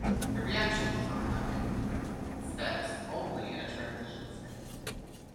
The reaction does not have any intermediate steps, only a transition state.